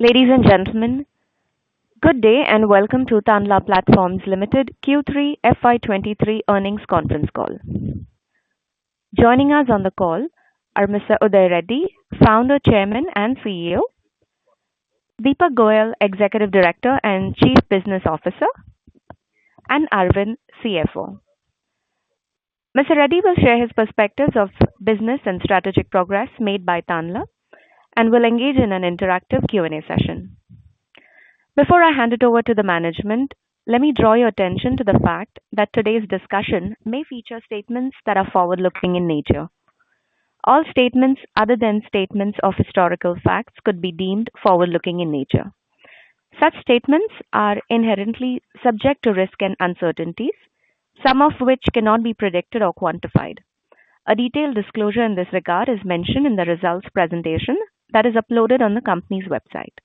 Ladies and gentlemen, good day, welcome to Tanla Platforms Limited Q3 FY23 earnings conference call. Joining us on the call are Mr. Uday Reddy, Founder, Chairman, and CEO; Deepak Goyal, Executive Director and Chief Business Officer; and Arvind, CFO. Mr. Reddy will share his perspectives of business and strategic progress made by Tanla and will engage in an interactive Q&A session. Before I hand it over to the management, let me draw your attention to the fact that today's discussion may feature statements that are forward-looking in nature. All statements other than statements of historical facts could be deemed forward-looking in nature. Such statements are inherently subject to risk and uncertainties, some of which cannot be predicted or quantified. A detailed disclosure in this regard is mentioned in the results presentation that is uploaded on the company's website.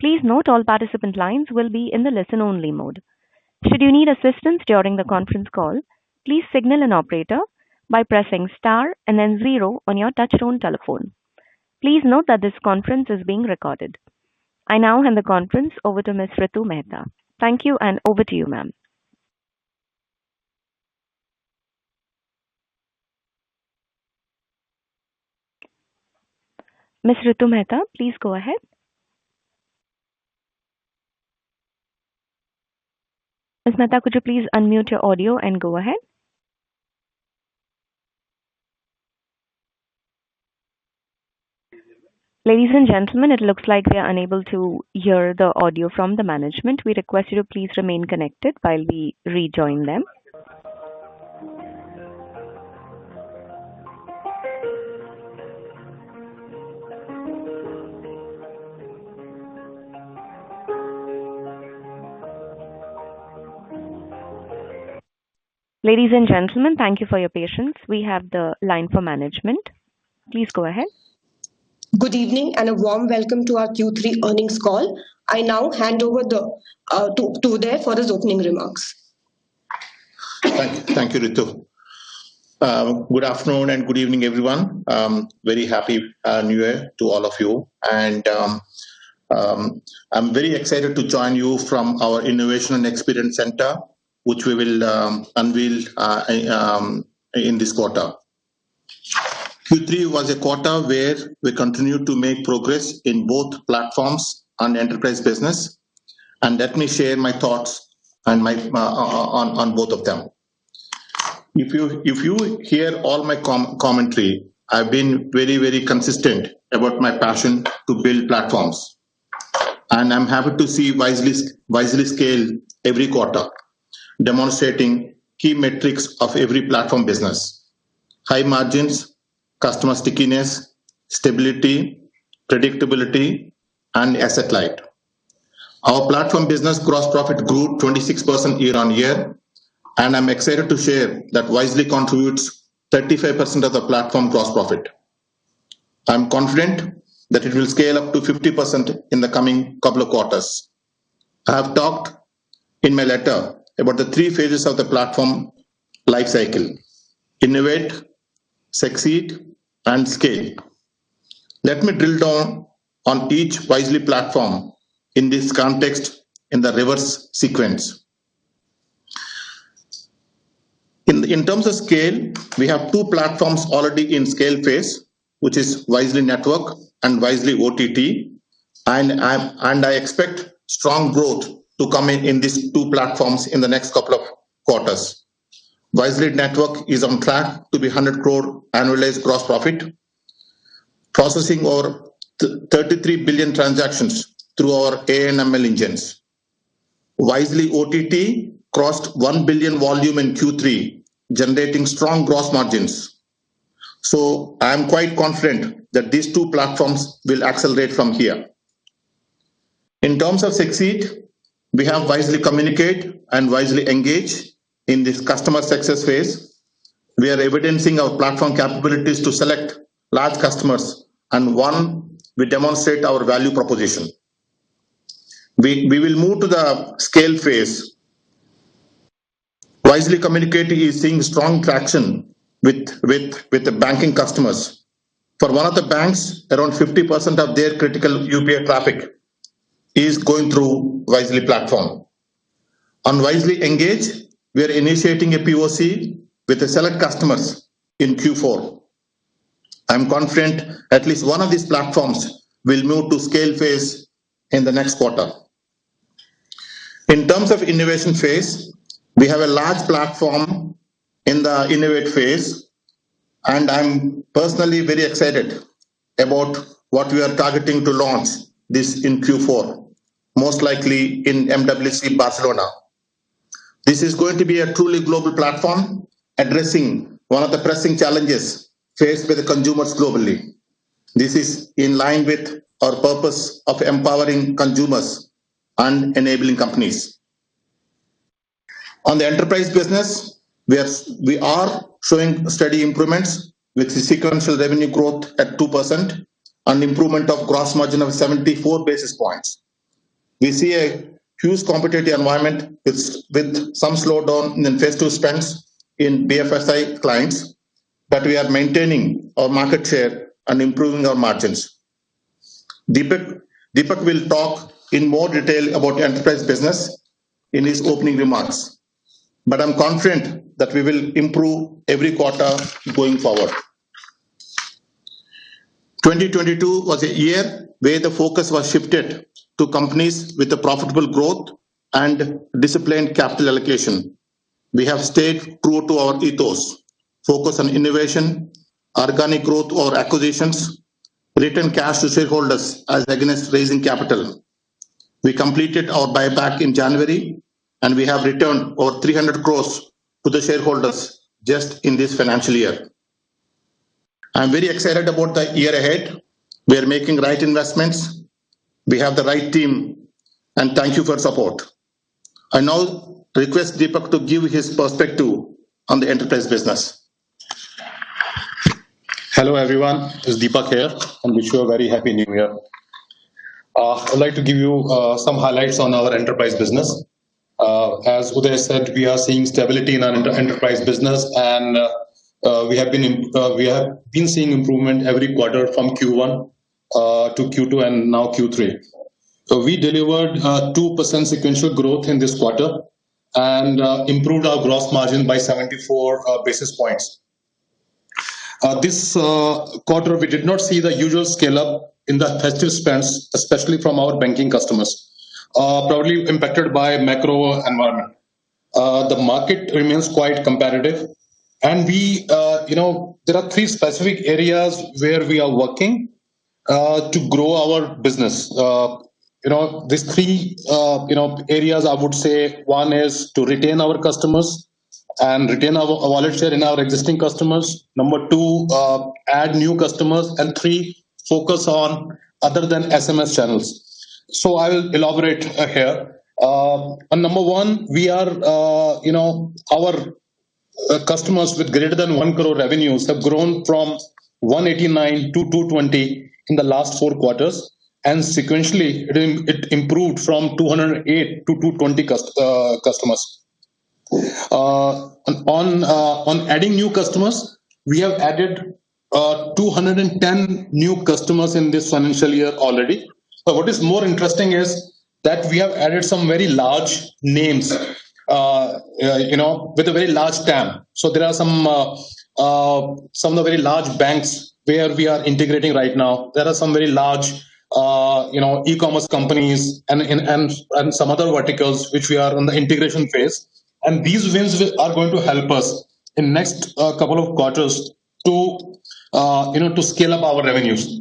Please note all participant lines will be in the listen-only mode. Should you need assistance during the conference call, please signal an operator by pressing star and then zero on your touchtone telephone. Please note that this conference is being recorded. I now hand the conference over to Ms. Ritu Mehta. Thank you and over to you, ma'am. Ms. Ritu Mehta, please go ahead. Ms. Mehta, could you please unmute your audio and go ahead? Ladies and gentlemen, it looks like we are unable to hear the audio from the management. We request you to please remain connected while we rejoin them. Ladies and gentlemen, thank you for your patience. We have the line for management. Please go ahead. Good evening, and a warm welcome to our Q3 earnings call. I now hand over the to Uday for his opening remarks. Thank you, Ritu. Good afternoon and good evening, everyone. Very Happy New Year to all of you. I'm very excited to join you from our innovation and experience center, which we will unveil in this quarter. Q3 was a quarter where we continued to make progress in both platforms and enterprise business. Let me share my thoughts on both of them. If you hear all my commentary, I've been very, very consistent about my passion to build platforms. I'm happy to see Wisely scale every quarter, demonstrating key metrics of every platform business: high margins, customer stickiness, stability, predictability, and asset light. Our platform business gross profit grew 26% year-on-year, and I'm excited to share that Wisely contributes 35% of the platform gross profit. I'm confident that it will scale up to 50% in the coming couple of quarters. I have talked in my letter about the three phases of the platform life cycle: innovate, succeed, and scale. Let me build on each Wisely platform in this context in the reverse sequence. In terms of scale, we have two platforms already in scale phase, which is Wisely Network and Wisely OTT. I expect strong growth to come in these two platforms in the next couple of quarters. Wisely Network is on track to be 100 crore annualized gross profit, processing over 33 billion transactions through our AI/ML engines. Wisely OTT crossed 1 billion volume in Q3, generating strong gross margins. I'm quite confident that these two platforms will accelerate from here. In terms of succeed, we have Wisely Communicate and Wisely Engage in this customer success phase. We are evidencing our platform capabilities to select large customers, and one, we demonstrate our value proposition. We will move to the scale phase. Wisely Communicate is seeing strong traction with the banking customers. For one of the banks, around 50% of their critical UPI traffic is going through Wisely platform. On Wisely Engage, we are initiating a POC with select customers in Q4. I'm confident at least one of these platforms will move to scale phase in the next quarter. In terms of innovation phase, we have a large platform in the innovate phase, and I'm personally very excited about what we are targeting to launch this in Q4, most likely in MWC Barcelona. This is going to be a truly global platform addressing one of the pressing challenges faced by the consumers globally. This is in line with our purpose of empowering consumers and enabling companies. On the enterprise business, we are showing steady improvements with the sequential revenue growth at 2% and improvement of gross margin of 74 basis points. We see a huge competitive environment with some slowdown in festive spends in BFSI clients. We are maintaining our market share and improving our margins. Deepak will talk in more detail about enterprise business in his opening remarks. I'm confident that we will improve every quarter going forward. 2022 was a year where the focus was shifted to companies with a profitable growth and disciplined capital allocation. We have stayed true to our ethos. Focus on innovation, organic growth or acquisitions, return cash to shareholders as against raising capital. We completed our buyback in January, and we have returned over 300 crores to the shareholders just in this financial year. I'm very excited about the year ahead. We are making right investments. We have the right team and thank you for your support. I now request Deepak to give his perspective on the enterprise business. Hello, everyone. It's Deepak here and wish you a very happy new year. I'd like to give you some highlights on our enterprise business. As Uday said, we are seeing stability in our enterprise business and we have been seeing improvement every quarter from Q1-Q2 and now Q3. We delivered 2% sequential growth in this quarter and improved our gross margin by 74 basis points. This quarter, we did not see the usual scale-up in the festive spends, especially from our banking customers. Probably impacted by macro environment. The market remains quite competitive and we, you know, there are three specific areas where we are working to grow our business. You know, these three, you know, areas I would say one is to retain our customers and retain our market share in our existing customers. Number two, add new customers. Three, focus on other than SMS channels. I will elaborate here. On number one, we are, you know, our customers with greater than 1 crore revenues have grown from 189-220 in the last four quarters. Sequentially it improved from 208-220 customers. On adding new customers, we have added 210 new customers in this financial year already. What is more interesting is that we have added some very large names. You know, with a very large TAM. There are some of the very large banks where we are integrating right now. There are some very large, you know, e-commerce companies and some other verticals which we are on the integration phase. These wins are going to help us in next couple of quarters to, you know, to scale up our revenues.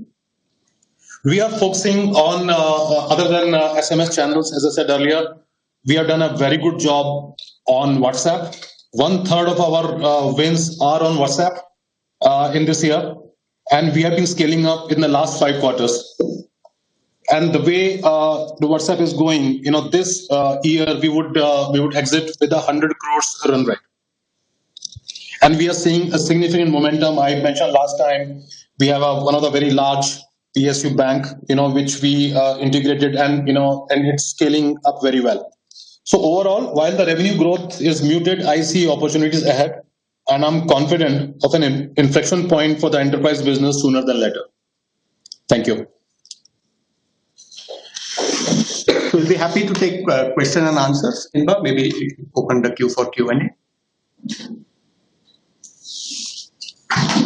We are focusing on other than SMS channels, as I said earlier. We have done a very good job on WhatsApp. 1/3 of our wins are on WhatsApp in this year. We have been scaling up in the last five quarters. The way the WhatsApp is going, you know, this year we would exit with an 100 crore run rate. We are seeing a significant momentum. I mentioned last time we have one of the very large PSU bank, you know, which we integrated and, you know, and it's scaling up very well. Overall, while the revenue growth is muted, I see opportunities ahead and I'm confident of an inflection point for the enterprise business sooner than later. Thank you. We'll be happy to take question and answers. [Inba], maybe if you could open the queue for Q&A.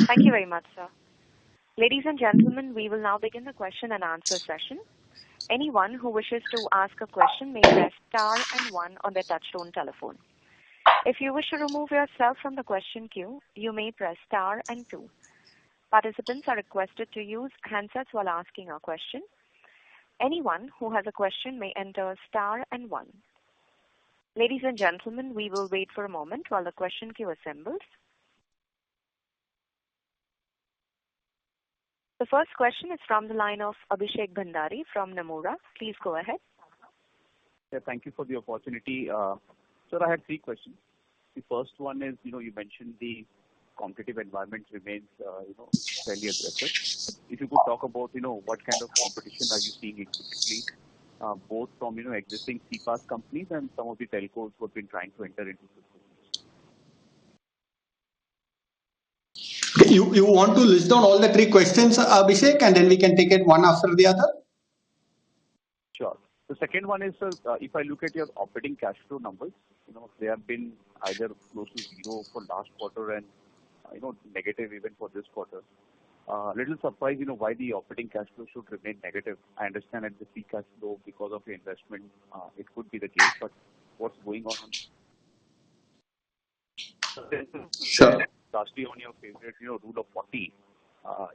Thank you very much, sir. Ladies and gentlemen, we will now begin the question and answer session. Anyone who wishes to ask a question may press star and one on their touchtone telephone. If you wish to remove yourself from the question queue, you may press star and two. Participants are requested to use handsets while asking a question. Anyone who has a question may enter star and one. Ladies and gentlemen, we will wait for a moment while the question queue assembles. The first question is from the line of Abhishek Bhandari from Nomura. Please go ahead. Yeah. Thank you for the opportunity. Sir, I had three questions. The first one is, you know, you mentioned the competitive environment remains, you know, fairly aggressive. If you could talk about, you know, what kind of competition are you seeing incrementally, both from, you know, existing CPaaS companies and some of the telcos who have been trying to enter into this space? You want to list down all the three questions, Abhishek, and then we can take it one after the other? Sure. The second one is, if I look at your operating cash flow numbers, you know, they have been either close to zero for last quarter and, you know, negative even for this quarter. A little surprised, you know, why the operating cash flow should remain negative. I understand at the free cash flow because of the investment, it could be the case. What's going on? Sure. lastly, on your favorite, you know, rule of 40.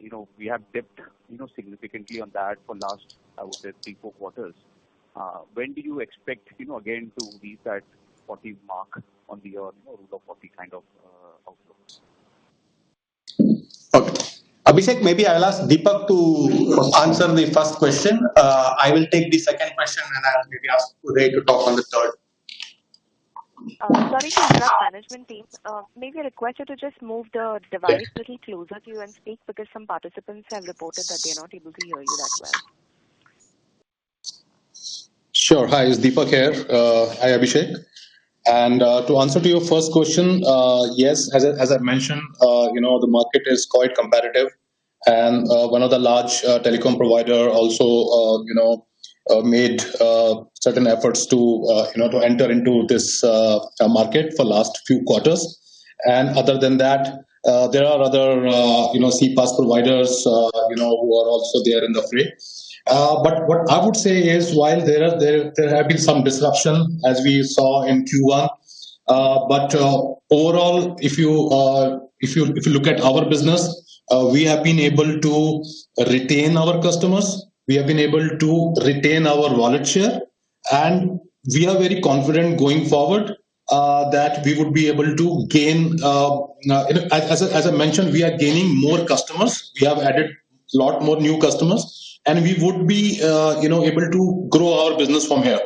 You know, we have dipped, you know, significantly on that for last, I would say three, four quarters. When do you expect, you know, again to reach that 40 mark on the, you know rule of 40 kind of, outlooks? Okay. Abhishek, maybe I'll ask Deepak to answer the first question. I will take the second question. I'll maybe ask Uday to talk on the third. Sorry to interrupt management team. May I request you to just move the device a little closer to you and speak because some participants have reported that they're not able to hear you that well. Sure. Hi, it's Deepak here. Hi, Abhishek. To answer to your first question, yes, as I, as I mentioned, you know, the market is quite competitive and one of the large telecom provider also, you know, made certain efforts to, you know, to enter into this market for last few quarters. Other than that, there are other, you know, CPaaS providers, you know, who are also there in the fray. What I would say is, while there have been some disruption, as we saw in Q1. Overall, if you look at our business, we have been able to retain our customers. We have been able to retain our wallet share. We are very confident going forward that we would be able to gain. As I mentioned, we are gaining more customers. We have added lot more new customers and we would be, you know, able to grow our business from here.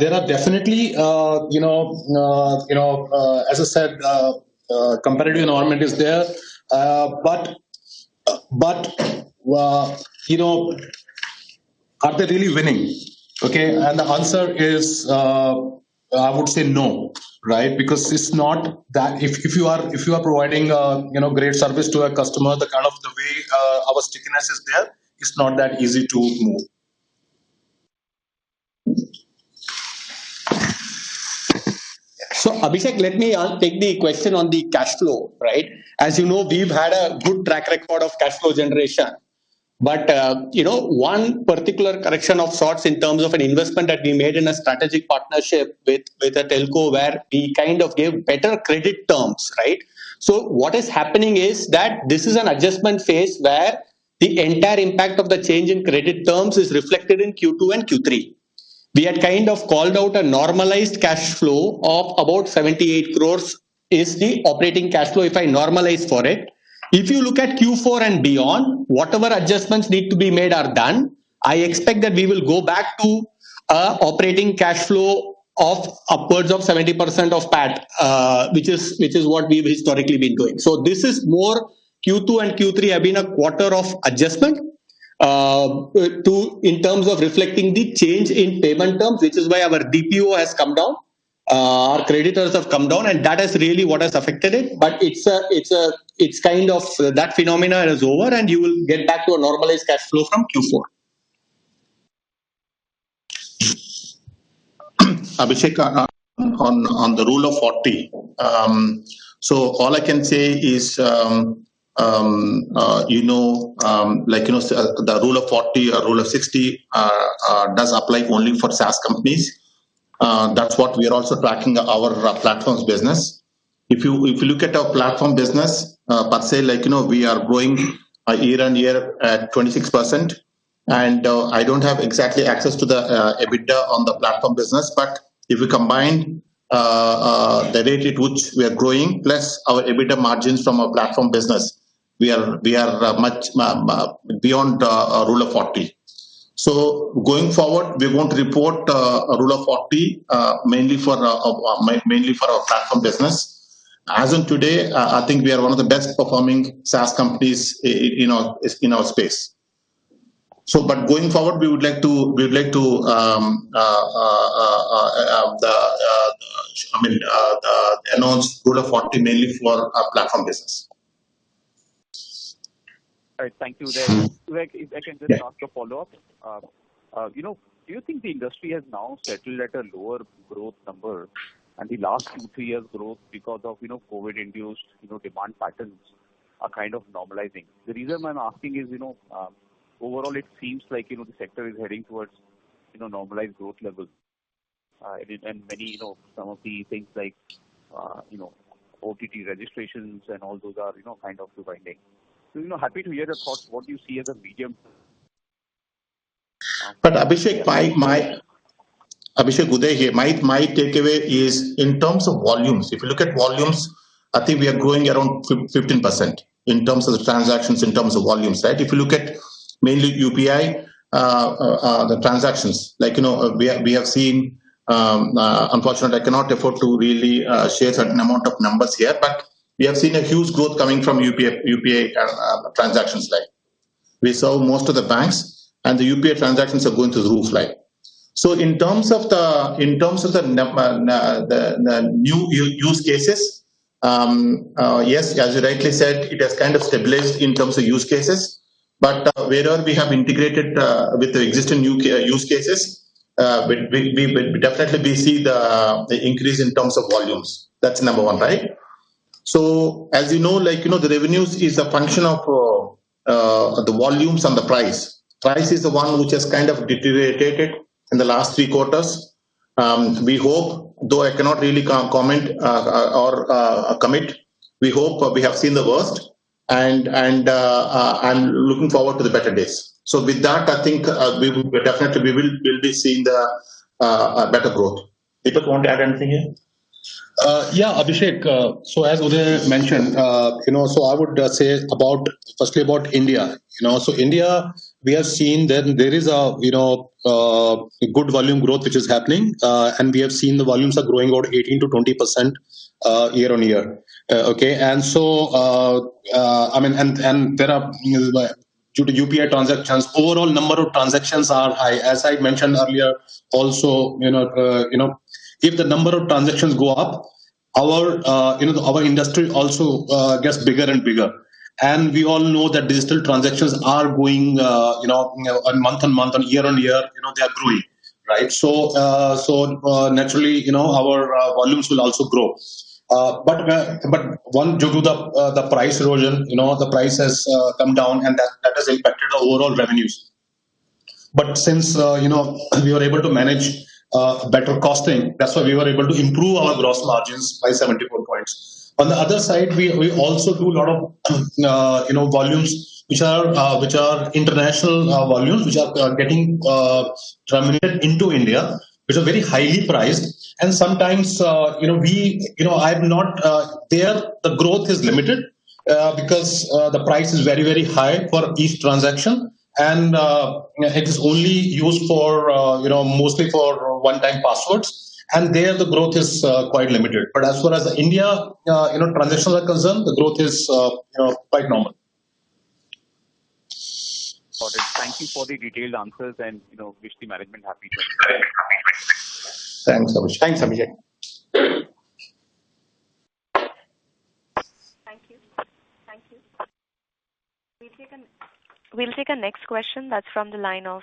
There are definitely, you know, you know, as I said, competitive environment is there. You know, are they really winning? Okay? The answer is, I would say no, right? Because it's not that. If you are providing, you know, great service to a customer, the kind of the way our stickiness is there, it's not that easy to remove. Abhishek, let me take the question on the cash flow. Right? As you know, we've had a good track record of cash flow generation. You know, one particular correction of sorts in terms of an investment that we made in a strategic partnership with a telco where we kind of gave better credit terms, right. What is happening is that this is an adjustment phase where the entire impact of the change in credit terms is reflected in Q2 and Q3. We had kind of called out a normalized cash flow of about 78 crore is the operating cash flow if I normalize for it. If you look at Q4 and beyond, whatever adjustments need to be made are done. I expect that we will go back to operating cash flow of upwards of 70% of PAT, which is what we've historically been doing. This is more Q2 and Q3 have been a quarter of adjustment in terms of reflecting the change in payment terms. Which is why our DPO has come down, our creditors have come down, and that is really what has affected it. It's kind of that phenomena is over and you will get back to a normalized cash flow from Q4. Abhishek, on the rule of 40. All I can say is, you know, like, you know, the rule of 40 or rule of 60, does apply only for SaaS companies. That's what we are also tracking our platforms business. If you look at our platform business, let's say like, you know, we are growing year-on-year at 26%. I don't have exactly access to the EBITDA on the platform business. If we combine the rate at which we are growing, plus our EBITDA margins from our platform business, we are much beyond Rule of 40. Going forward, we won't report Rule of 40 mainly for our platform business. As in today, I think we are one of the best performing SaaS companies in our space. Going forward, we would like to I mean announce Rule of 40 mainly for our platform business. All right. Thank you. Uday, if I can just ask a follow-up. Yeah. You know, do you think the industry has now settled at a lower growth number and the last two, three years growth because of, you know, COVID induced, you know, demand patterns are kind of normalizing? The reason I'm asking is, you know, overall it seems like, you know, the sector is heading towards, you know, normalized growth levels. Many, you know, some of the things like, you know, OTT registrations and all those are, you know, kind of reviving. You know, happy to hear your thoughts, what you see as a medium-term. Abhishek, Uday here. My takeaway is in terms of volumes. If you look at volumes, I think we are growing around 15% in terms of the transactions, in terms of volumes. Right? If you look at mainly UPI transactions. Like, you know, we have seen, unfortunately I cannot afford to really share certain amount of numbers here, but we have seen a huge growth coming from UPI transactions there. We sell most of the banks and the UPI transactions are going through the roof, like. In terms of the new use cases, yes, as you rightly said, it has kind of stabilized in terms of use cases. Where we have integrated with the existing use cases, we definitely see the increase in terms of volumes. That's number one, right? As you know, like, you know, the revenues is a function of the volumes and the price. Price is the one which has kind of deteriorated in the last three quarters. We hope, though I cannot really comment or commit, we hope we have seen the worst and looking forward to the better days. With that, I think, we will definitely we'll be seeing the better growth. Deepak, you want to add anything here? Yeah, Abhishek, as Uday mentioned, firstly about India. India, we have seen that there is a good volume growth which is happening. We have seen the volumes are growing about 18%-20% year-on-year. Okay? Due to UPI transactions, overall number of transactions are high. As I mentioned earlier also, if the number of transactions go up, our industry also gets bigger and bigger. We all know that digital transactions are growing month-on-month and year-on-year, they are growing, right? Naturally, our volumes will also grow. Due to the price erosion, you know, the price has come down, that has impacted our overall revenues. Since, you know, we were able to manage better costing, that's why we were able to improve our gross margins by 74 points. On the other side, we also do a lot of, you know, volumes which are international volumes which are getting terminated into India, which are very highly priced. Sometimes, you know, the growth is limited because the price is very, very high for each transaction, you know, it is only used for, you know, mostly for one-time passwords. There the growth is quite limited. As far as India, you know, transactions are concerned, the growth is, you know, quite normal. Got it. Thank you for the detailed answers and, you know, wish the management happy journey. Thanks so much. Thanks, Abhishek. Thank you. Thank you. We'll take a next question that's from the line of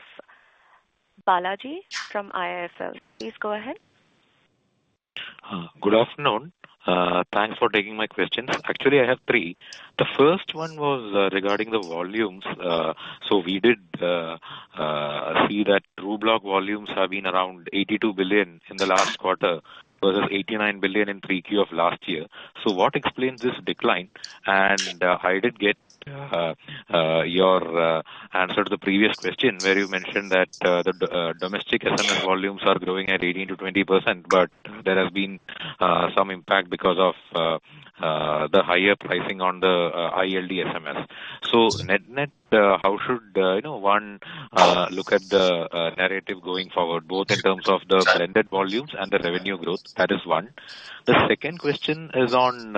Balaji from IIFL. Please go ahead. Good afternoon. Thanks for taking my questions. Actually, I have three. The first one was regarding the volumes. We did see that Trubloq volumes have been around 82 billion in the last quarter versus 89 billion in 3Q of last year. What explains this decline? I did get your answer to the previous question where you mentioned that the domestic SMS volumes are growing at 18%-20%, but there have been some impact because of the higher pricing on the ILD SMS. Net-net, how should you know one look at the narrative going forward, both in terms of the blended volumes and the revenue growth? That is one. The second question is on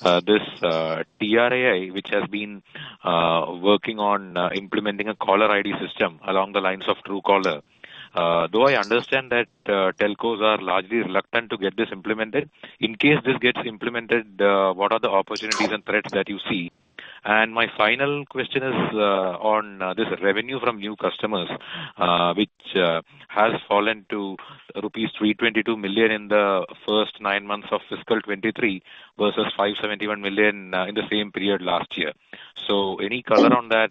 this TRAI, which has been working on implementing a caller ID system along the lines of Truecaller. Though I understand that Telcos are largely reluctant to get this implemented, in case this gets implemented, what are the opportunities and threats that you see? My final question is on this revenue from new customers, which has fallen to rupees 322 million in the first nine months of fiscal 2023 versus 571 million in the same period last year. Any color on that?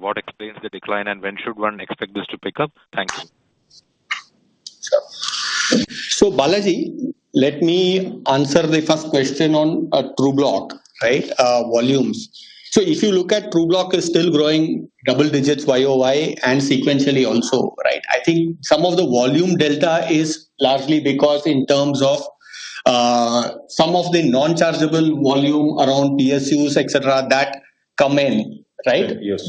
What explains the decline, and when should one expect this to pick up? Thanks. Sure. Balaji, let me answer the first question on Trubloq, right? Volumes. If you look at Trubloq is still growing double digits YoY and sequentially also, right? I think some of the volume delta is largely because in terms of some of the non-chargeable volume around PSUs, et cetera, that come in, right? Yes.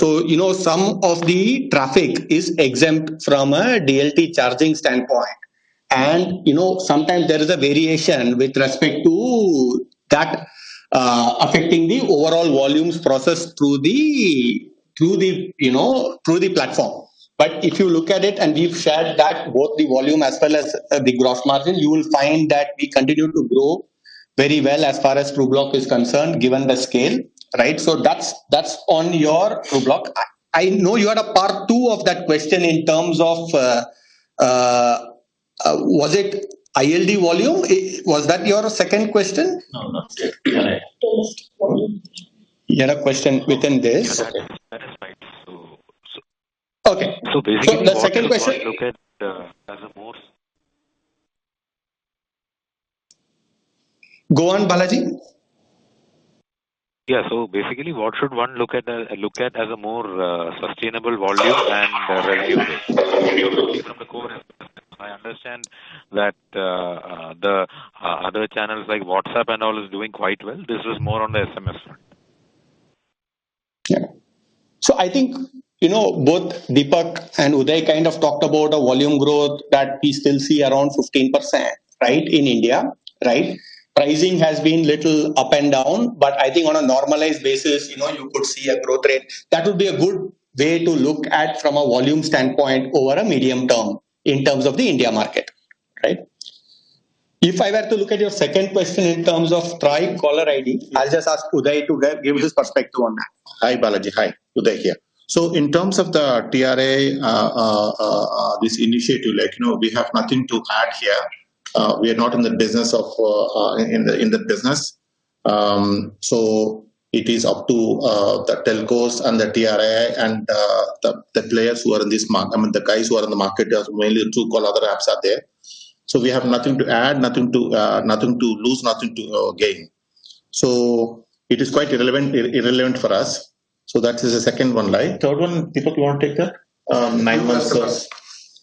You know, some of the traffic is exempt from a DLT charging standpoint. You know, sometimes there is a variation with respect to that, affecting the overall volumes processed through the, you know, through the platform. If you look at it, and we've shared that both the volume as well as the gross margin, you will find that we continue to grow very well as far as Trubloq is concerned, given the scale, right? That's on your Trubloq. I know you had a part two of that question in terms of, was it ILD volume? Was that your second question? No, not second. Post volume. You had a question within this. That is right. Okay. Basically what should one look at, as a. Go on, Balaji. Yeah. basically what should one look at, look at as a more, sustainable volume and revenue base from the core SMS business? I understand that, the other channels like WhatsApp and all is doing quite well. This is more on the SMS front. I think, you know, both Deepak and Uday kind of talked about a volume growth that we still see around 15%, right, in India, right. Pricing has been little up and down. I think on a normalized basis, you know, you could see a growth rate. That would be a good way to look at from a volume standpoint over a medium term in terms of the India market, right. If I were to look at your second question in terms of TRAI caller ID, I'll just ask Uday to give his perspective on that. Hi, Balaji. Hi. Uday here. In terms of the TRAI, this initiative, like, you know, we have nothing to add here. We are not in the business of in the business. It is up to the telcos and the TRAI and the players who are in this I mean, the guys who are in the market. There are mainly Truecaller apps are there. We have nothing to add, nothing to lose, nothing to gain. It is quite irrelevant for us. That is the second one, right? Third one, Deepak, you wanna take that? nine months.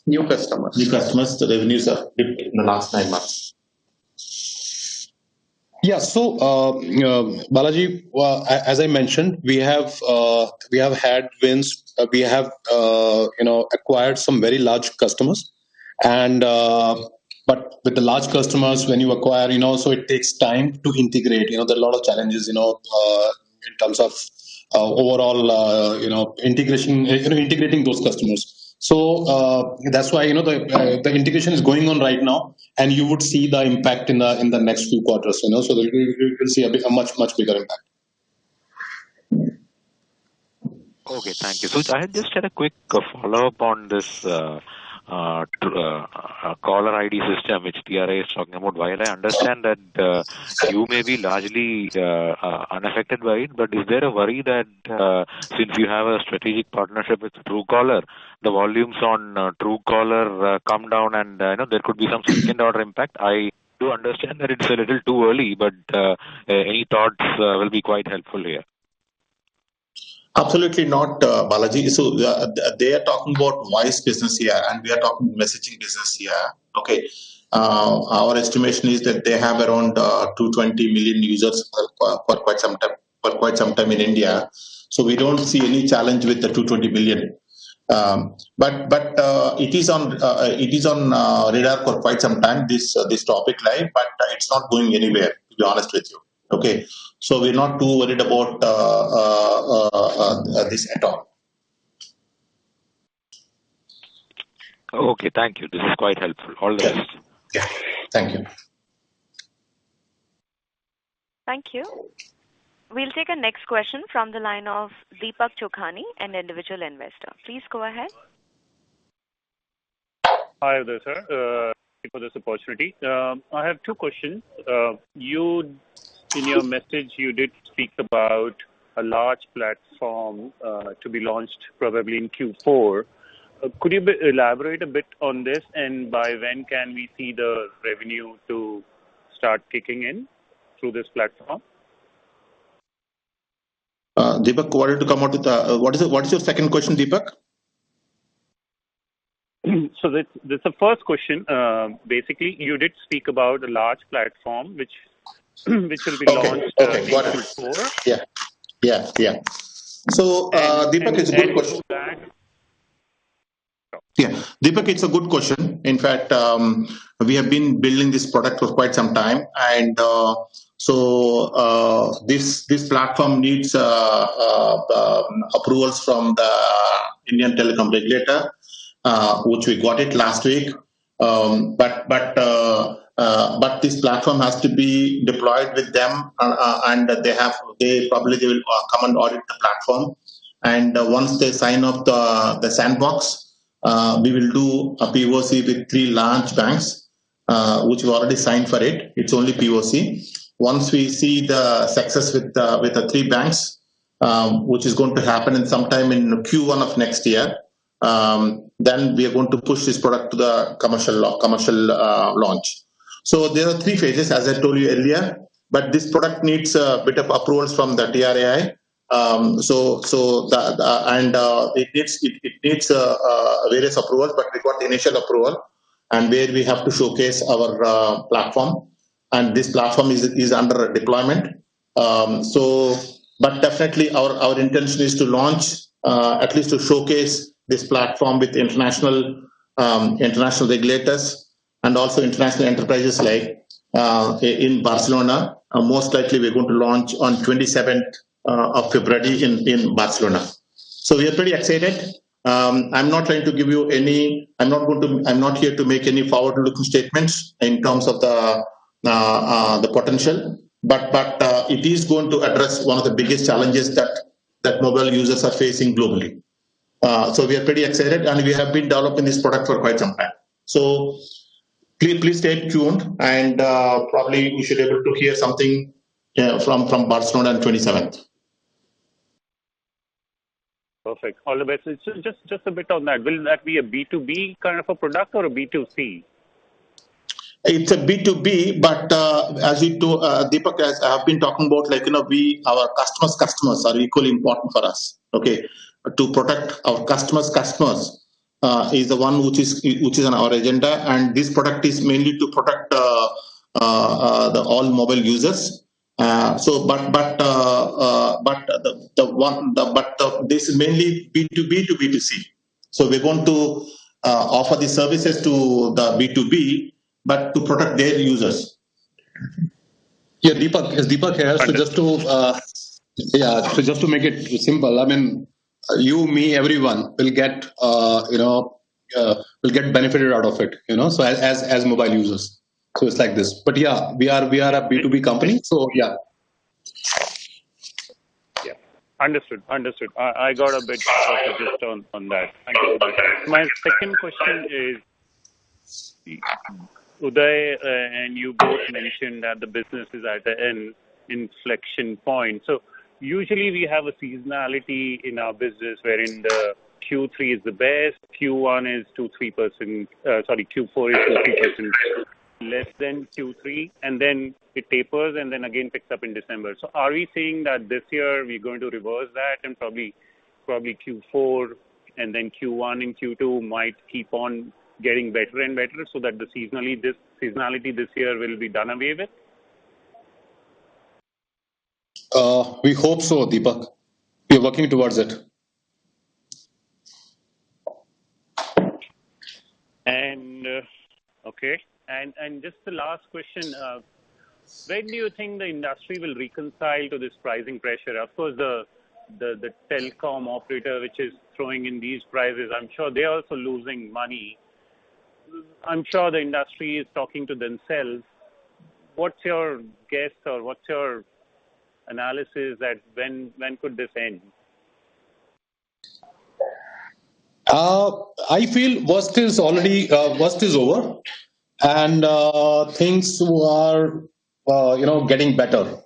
New customers. New customers. The revenues are in the last nine months. Yeah. Balaji, as I mentioned, we have had wins. We have, you know, acquired some very large customers and, but with the large customers, when you acquire, you know, so it takes time to integrate. You know, there are a lot of challenges, you know, in terms of overall, you know, integration, integrating those customers. That's why, you know, the integration is going on right now, and you would see the impact in the next few quarters, you know. You will see a bit, a much, much bigger impact. Okay. Thank you. I just had a quick follow-up on this caller ID system which TRAI is talking about. While I understand that you may be largely unaffected by it, but is there a worry that since you have a strategic partnership with Truecaller, the volumes on Truecaller come down and, you know, there could be some second order impact? I do understand that it's a little too early. Any thoughts will be quite helpful here. Absolutely not, Balaji. They are talking about voice business here, and we are talking messaging business here. Okay. Our estimation is that they have around 220 million users for quite some time, for quite some time in India. We don't see any challenge with the 220 million. It is on radar for quite some time, this topic, right? It's not going anywhere, to be honest with you. Okay. We're not too worried about this at all. Okay. Thank you. This is quite helpful. All the best. Yeah. Thank you. Thank you. We'll take a next question from the line of Deepak Chokhani, an individual investor. Please go ahead. Hi there, sir. thank you for this opportunity. I have two questions. In your message, you did speak about a large platform, to be launched probably in Q4. Could you elaborate a bit on this? By when can we see the revenue to start kicking in through this platform? Deepak, why don't you come out with, what is your second question, Deepak? The first question, basically you did speak about a large platform which will be launched. Okay. Got it. in Q four. Yeah. Yeah. Yeah. Deepak, it's a good question. The second- Yeah. Deepak, it's a good question. In fact, we have been building this product for quite some time. This platform needs approvals from the Indian telecom regulator, which we got it last week. This platform has to be deployed with them. They probably will come and audit the platform. Once they sign off the sandbox, we will do a POC with three large banks, which we already signed for it. It's only POC. Once we see the success with the three banks, which is going to happen sometime in Q1 of next year, we are going to push this product to the commercial launch. There are three phases, as I told you earlier, but this product needs a bit of approvals from the TRAI. It needs various approvals, but we got the initial approval. There we have to showcase our platform. This platform is under deployment. Definitely our intention is to launch, at least to showcase this platform with international regulators and also international enterprises like in Barcelona. Most likely we're going to launch on 27th February in Barcelona. We are pretty excited. I'm not here to make any forward-looking statements in terms of the potential, but it is going to address one of the biggest challenges that mobile users are facing globally. We are pretty excited, and we have been developing this product for quite some time. Please stay tuned, and probably you should able to hear something from Barcelona on 27th. Perfect. All the best. Just a bit on that. Will that be a B2B kind of a product or a B2C? It's a B2B, but, as you do, Deepak, as I have been talking about, like, you know, we, our customers' customers are equally important for us. Okay. To protect our customers' customers, is the one which is on our agenda. This product is mainly to protect the all mobile users. But this is mainly B2B to B2C. We want to offer the services to the B2B, but to protect their users. Deepak here. just to, yeah, just to make it simple, I mean, you, me, everyone will get, you know, will get benefited out of it, you know, as mobile users. It's like this. yeah, we are, we are a B2B company, yeah. Yeah. Understood. Understood. I got a bit lost just on that. Thank you. My second question is, Uday and you both mentioned that the business is at an inflection point. Usually we have a seasonality in our business wherein the Q3 is the best, Q1 is 2%, 3% less than Q3, and then it tapers and then again picks up in December. Are we saying that this year we're going to reverse that in probably Q4 and then Q1 and Q2 might keep on getting better and better so that this seasonality this year will be done away with? We hope so, Deepak. We're working towards it. Okay. Just the last question. When do you think the industry will reconcile to this pricing pressure? Of course, the telecom operator which is throwing in these prices, I'm sure they are also losing money. I'm sure the industry is talking to themselves. What's your guess or what's your analysis at when could this end? I feel worst is already worst is over and things are, you know, getting better.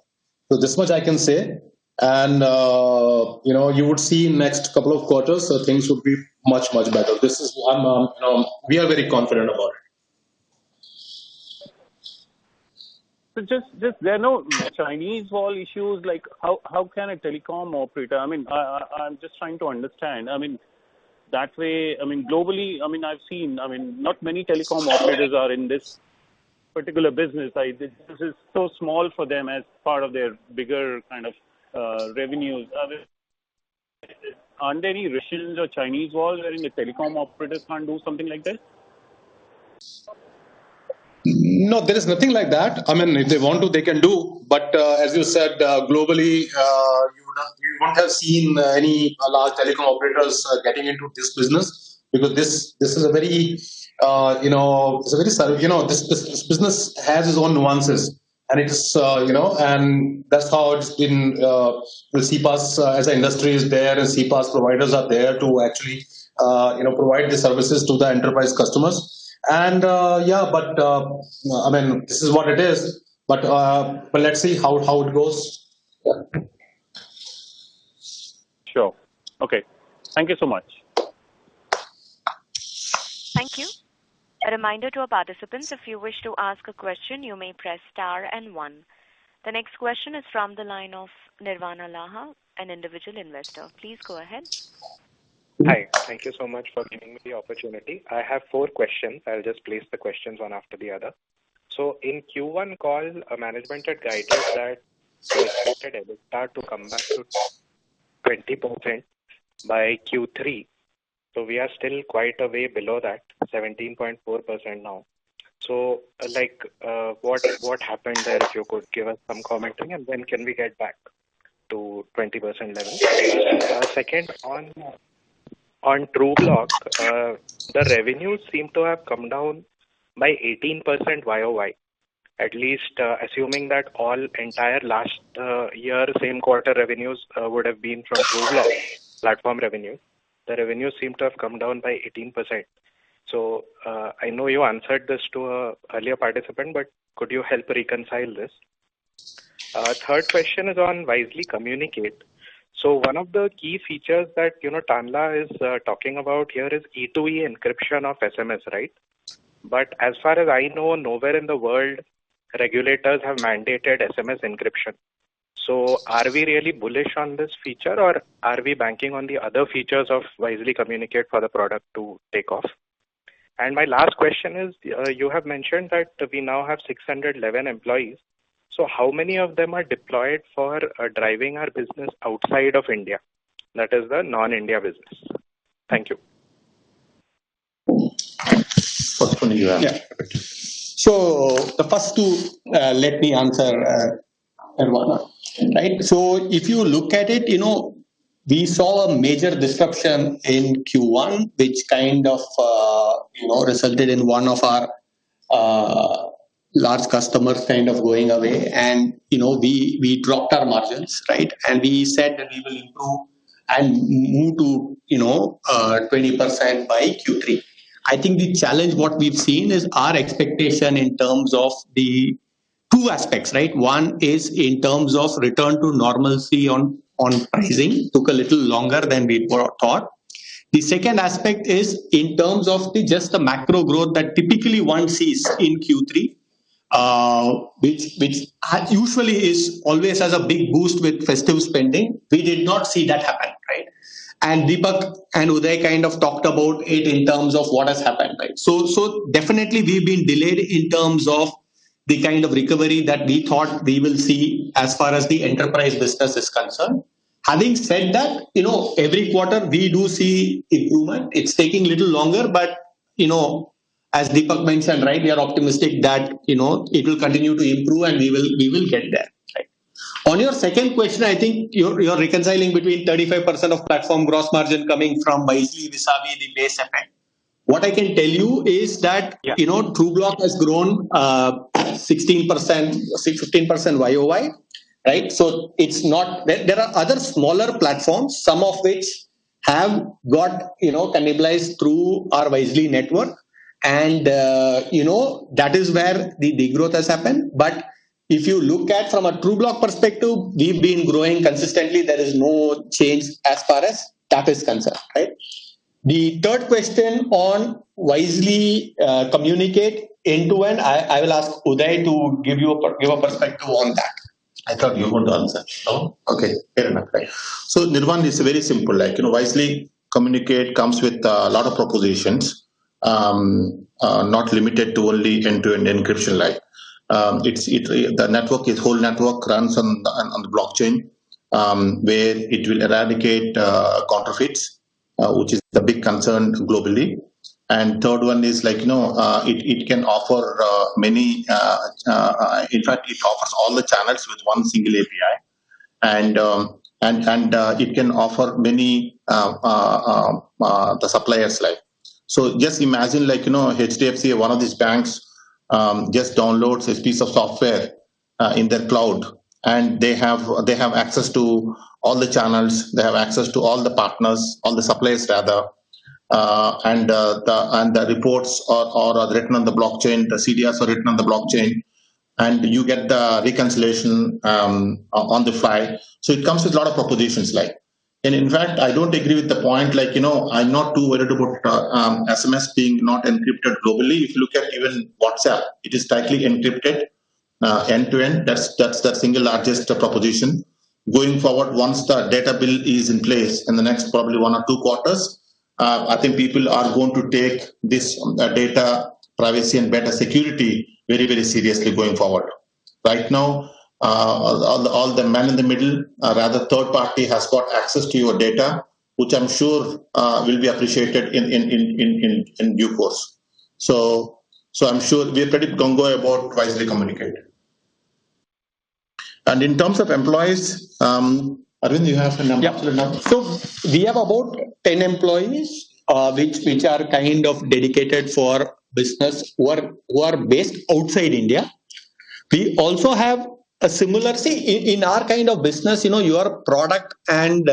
This much I can say and, you know, you would see next couple of quarters, so things would be much, much better. This is one, we are very confident about it. Just there are no Chinese wall issues, like how can a telecom operator? I mean, I'm just trying to understand. I mean, that way, I mean, globally, I mean, I've seen, I mean, not many telecom operators are in this particular business. This is so small for them as part of their bigger kind of revenues. Aren't there any Russians or Chinese walls wherein the telecom operators can't do something like this? No, there is nothing like that. I mean, if they want to, they can do. As you said, globally, you would have, you would not have seen any large telecom operators getting into this business because this is a very, you know, it's a very subtle... You know, this business has its own nuances and it's, you know, and that's how it's been, we see CPaaS as an industry is there and CPaaS providers are there to actually, you know, provide the services to the enterprise customers. Yeah, I mean, this is what it is, let's see how it goes. Sure. Okay. Thank you so much. Thank you. A reminder to our participants, if you wish to ask a question, you may press star and one. The next question is from the line of Nirvana Laha, an individual investor. Please go ahead. Hi. Thank you so much for giving me the opportunity. I have four questions. I'll just place the questions one after the other. In Q1 call, management had guided that they expected EBITDA to come back to 20% by Q3. We are still quite a way below that, 17.4% now. Like, what happened there? If you could give us some commentary and when can we get back to 20% level? Second, on Trubloq, the revenues seem to have come down by 18% YoY, at least, assuming that all entire last year same quarter revenues would have been from Trubloq platform revenue. The revenues seem to have come down by 18%. I know you answered this to a earlier participant, but could you help reconcile this? Third question is on Wisely Communicate. One of the key features that, you know, Tanla is talking about here is end-to-end encryption of SMS, right? As far as I know, nowhere in the world regulators have mandated SMS encryption. Are we really bullish on this feature or are we banking on the other features of Wisely Communicate for the product to take off? My last question is, you have mentioned that we now have 611 employees. How many of them are deployed for driving our business outside of India? That is the non-India business. Thank you. First one you have. Yeah. The first two, let me answer, Nirvana. Right. If you look at it, you know, we saw a major disruption in Q1 which kind of, you know, resulted in one of our large customers kind of going away. You know, we dropped our margins, right? We said that we will improve and move to, you know, 20% by Q3. I think the challenge, what we've seen is our expectation in terms of the two aspects, right? One is in terms of return to normalcy on pricing. Took a little longer than we thought. The second aspect is in terms of the just the macro growth that typically one sees in Q3, which usually is always has a big boost with festive spending. We did not see that happen, right? Deepak and Uday kind of talked about it in terms of what has happened, right? Definitely we've been delayed in terms of the kind of recovery that we thought we will see as far as the enterprise business is concerned. Having said that, you know, every quarter we do see improvement. It's taking a little longer, but you know, as Deepak mentioned, right, we are optimistic that, you know, it will continue to improve and we will get there. Right. On your second question, I think you're reconciling between 35% of platform gross margin coming from Wisely vis-à-vis the base effect. What I can tell you is that. Yeah. you know, Trubloq has grown 16%, 15% YoY, right? It's not... There are other smaller platforms, some of which have got, you know, cannibalized through our Wisely Network and, you know, that is where the growth has happened. If you look at from a Trubloq perspective, we've been growing consistently. There is no change as far as that is concerned, right? The third question on Wisely Communicate end-to-end, I will ask Uday to give you a perspective on that. I thought you would answer. Oh, okay. Fair enough. Right. Nirvana, it's very simple. Like, you know, Wisely Communicate comes with a lot of propositions, not limited to only end-to-end encryption, like. The network, its whole network runs on the blockchain, where it will eradicate counterfeits, which is the big concern globally. Third one is like, you know, it can offer. In fact, it covers all the channels with one single API. And it can offer many the suppliers like. Just imagine like, you know, HDFC or one of these banks, just downloads this piece of software in their cloud, and they have access to all the channels, they have access to all the partners, all the suppliers rather. The reports are written on the blockchain. The CDRs are written on the blockchain. You get the reconciliation on the fly. It comes with a lot of propositions like. In fact, I don't agree with the point, like, you know, I'm not too worried about SMS being not encrypted globally. If you look at even WhatsApp, it is tightly encrypted end-to-end. That's the single largest proposition. Going forward, once the data bill is in place in the next probably one or two quarters, I think people are going to take this data privacy and better security very, very seriously going forward. Right now, all the man in the middle or rather third party has got access to your data, which I'm sure, will be appreciated in due course. I'm sure we're pretty gung-ho about Wisely Communicate. In terms of employees, Arvind, do you have the number? Yeah.We have about 10 employees, which are kind of dedicated for business who are based outside India. We also have a similar. See, in our kind of business, you know, your product and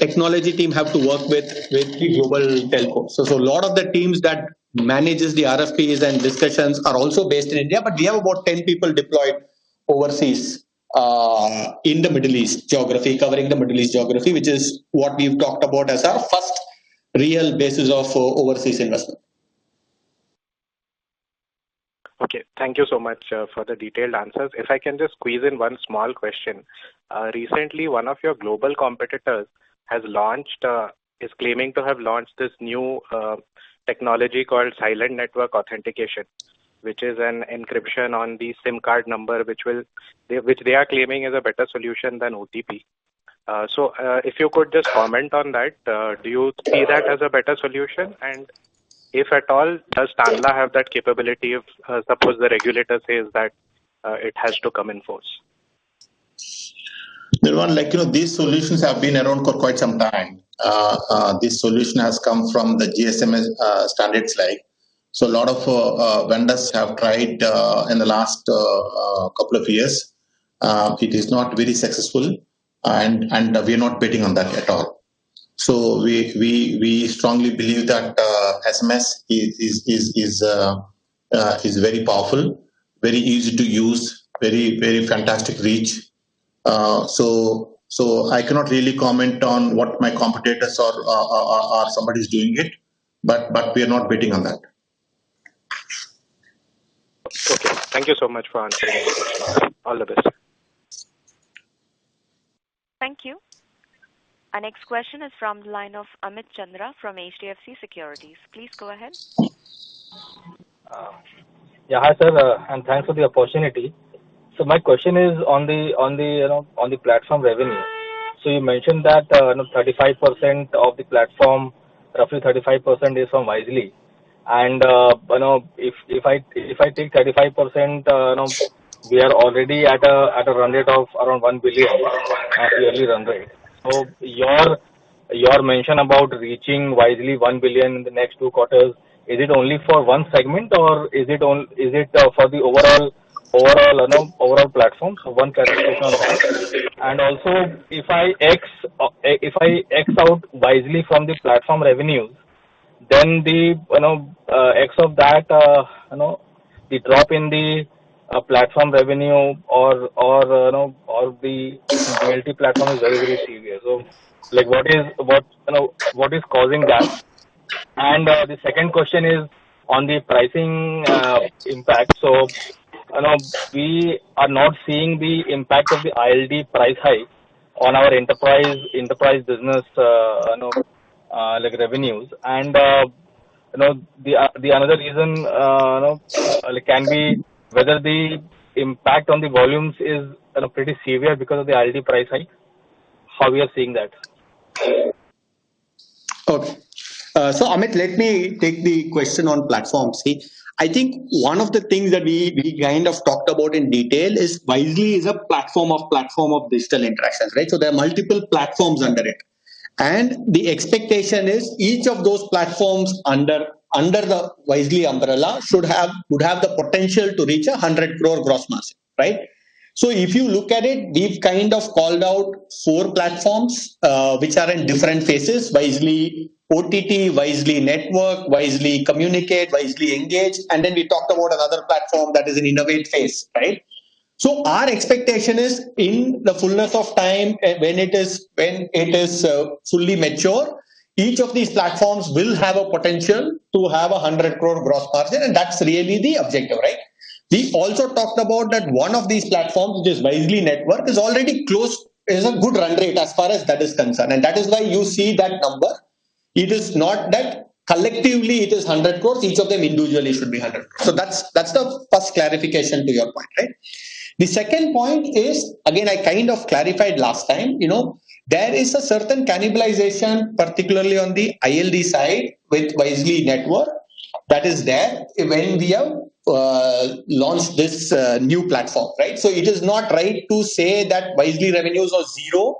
technology team have to work with the global Telcos. A lot of the teams that manages the RFPs and discussions are also based in India. We have about 10 people deployed overseas in the Middle East geography, covering the Middle East geography, which is what we've talked about as our first real basis of overseas investment. Okay. Thank you so much, for the detailed answers. If I can just squeeze in one small question. Recently one of your global competitors has launched, is claiming to have launched this new technology called Silent Network Authentication, which is an encryption on the SIM card number, which they are claiming is a better solution than OTP. If you could just comment on that. Do you see that as a better solution? If at all, does Tanla have that capability of, suppose the regulator says that, it has to come in force? Nirvana, like, you know, these solutions have been around for quite some time. This solution has come from the GSM standards like. A lot of vendors have tried in the last couple of years. It is not very successful and we are not betting on that at all. We strongly believe that SMS is very powerful, very easy to use, very fantastic reach. I cannot really comment on what my competitors or somebody's doing it, but we are not betting on that. Okay. Thank you so much for answering. All the best. Thank you. Our next question is from the line of Amit Chandra from HDFC Securities. Please go ahead. Yeah. Hi, sir, thanks for the opportunity. My question is on the, you know, on the platform revenue. You mentioned that, you know, 35% of the platform, roughly 35% is from Wisely. You know, if I take 35%, you know, we are already at a run rate of around 1 billion yearly run rate. Your mention about reaching Wisely 1 billion in the next two quarters, is it only for one segment or is it for the overall, you know, overall platform? One clarification on that. Also if I ex out Wisely from the platform revenues, then the, you know, ex of that, you know, the drop in the platform revenue or, you know, or the multi-platform is very serious. Like what is, you know, what is causing that? The second question is on the pricing impact. You know, we are not seeing the impact of the ILD price hike on our enterprise business, you know, like revenues. You know, the another reason, you know, like can we whether the impact on the volumes is, you know, pretty severe because of the ILD price hike, how we are seeing that? Okay. Amit, let me take the question on platform. See, I think one of the things that we kind of talked about in detail is Wisely is a platform of platform of digital interactions, right? There are multiple platforms under it. The expectation is each of those platforms under the Wisely umbrella would have the potential to reach 100 crore gross margin, right? If you look at it, we've kind of called out four platforms which are in different phases, Wisely OTT, Wisely Network, Wisely Communicate, Wisely Engage, and then we talked about another platform that is in innovate phase, right? Our expectation is in the fullness of time when it is fully mature, each of these platforms will have a potential to have a 100 crore gross margin. That's really the objective, right? We also talked about that one of these platforms, which is Wisely Network, is already a good run rate as far as that is concerned. That is why you see that number. It is not that collectively it is 100 crore, each of them individually should be 100 crore. That's the first clarification to your point, right? The second point is, again, I kind of clarified last time, you know, there is a certain cannibalization, particularly on the ILD side with Wisely Network that is there when we have launched this new platform, right? It is not right to say that Wisely revenues are zero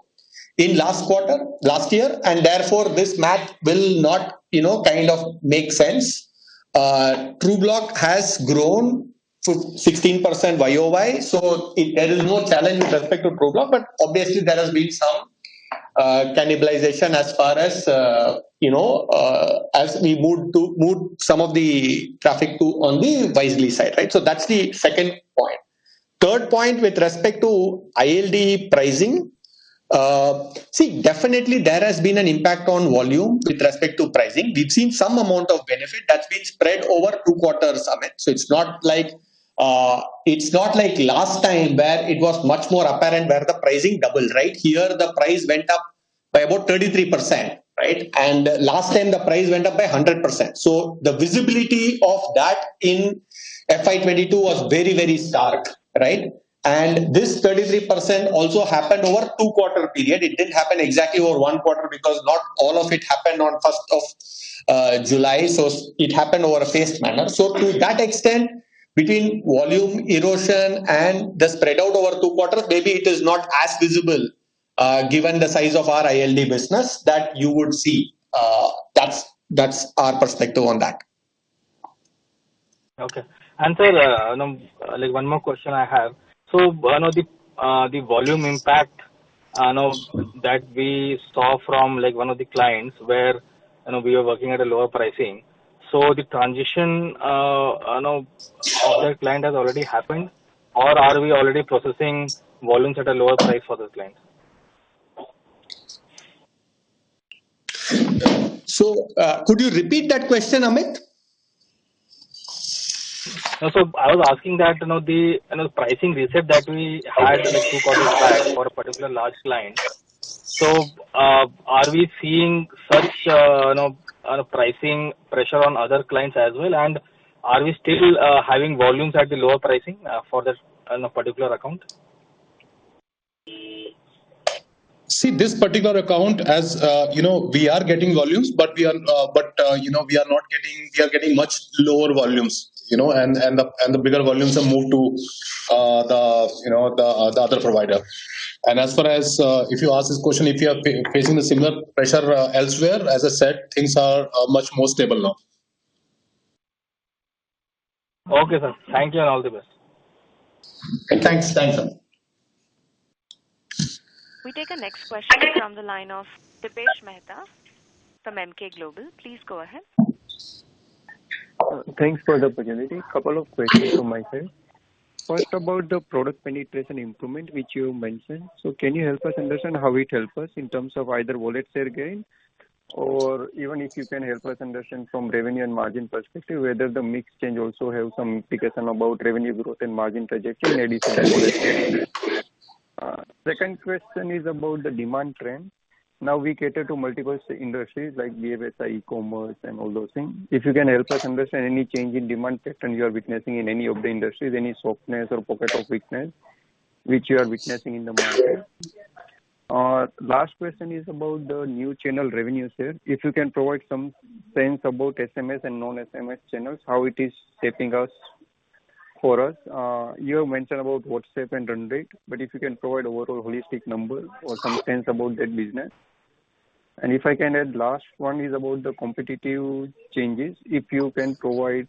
in last quarter, last year, and therefore this math will not, you know, kind of make sense. Trubloq has grown to 16% YoY. There is no challenge with respect to Trubloq, obviously there has been some cannibalization as far as, you know, as we move some of the traffic to on the Wisely side, right? That's the second point. Third point with respect to ILD pricing. See, definitely there has been an impact on volume with respect to pricing. We've seen some amount of benefit that's been spread over two quarters, Amit. It's not like, it's not like last time where it was much more apparent where the pricing doubled, right? Here, the price went up by about 33%, right? Last time the price went up by 100%. The visibility of that in FY 2022 was very, very stark, right? This 33% also happened over two quarter period. It didn't happen exactly over one quarter because not all of it happened on 1st July. It happened over a phased manner. To that extent, between volume erosion and the spread out over two quarters, maybe it is not as visible, given the size of our ILD business that you would see. That's our perspective on that. Okay. Sir, like one more question I have. One of the volume impact now that we saw from like one of the clients where, you know, we are working at a lower pricing. The transition of that client has already happened or are we already processing volumes at a lower price for this client? Could you repeat that question, Amit? I was asking that, you know, the, you know, pricing reset that we had in the two quarters back for a particular large client. Are we seeing such, you know, pricing pressure on other clients as well? Are we still having volumes at the lower pricing for this, you know, particular account? See, this particular account as, you know, we are getting volumes, but we are, but, you know, we are getting much lower volumes, you know, and the, and the bigger volumes have moved to, the, you know, the other provider. As far as, if you ask this question, if you are facing the similar pressure, elsewhere, as I said, things are much more stable now. Okay, sir. Thank you and all the best. Thanks. Thanks, Amit. We take the next question from the line of Dipesh Mehta from Emkay Global. Please go ahead. Thanks for the opportunity. A couple of questions from my side. First, about the product penetration improvement which you mentioned. Can you help us understand how it help us in terms of either wallet share gain or even if you can help us understand from revenue and margin perspective whether the mix change also have some implication about revenue growth and margin trajectory in addition to wallet share gains? Second question is about the demand trend. Now we cater to multiple indu`stries like BFSI, commerce and all those things. If you can help us understand any change in demand trend you are witnessing in any of the industries, any softness or pocket of weakness which you are witnessing in the market. Last question is about the new channel revenue share. If you can provide some sense about SMS and non-SMS channels, how it is shaping us, for us. You have mentioned about WhatsApp and run rate, but if you can provide overall holistic number or some sense about that business. If I can add last one is about the competitive changes. If you can provide,